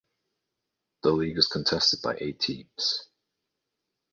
The league is contested by eight teams.